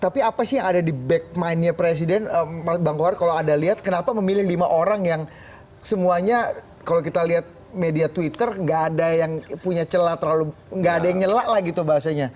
tapi apa sih yang ada di back mind nya presiden bang kohar kalau anda lihat kenapa memilih lima orang yang semuanya kalau kita lihat media twitter nggak ada yang punya celah terlalu nggak ada yang nyelak lah gitu bahasanya